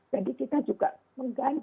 jadi kita juga mengganti